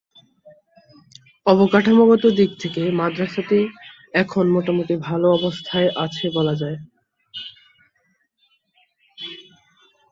অবকাঠামোগত দিক থেকে মাদ্রাসাটি এখন মোটামুটি ভালো অবস্থায় আছে বলা যায়।